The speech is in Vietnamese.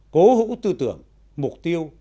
cố hữu tư tưởng mục tiêu